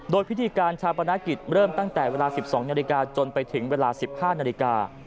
โดยพิธีการชาปนกิจเริ่มตั้งแต่เวลา๑๒นาฬิกาจนไปถึงเวลา๑๕นาฬิกา